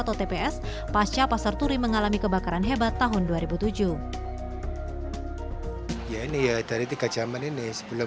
tps pasca pasar turi mengalami kebakaran hebat tahun dua ribu tujuh ya ini ya dari tiga jaman ini sebelum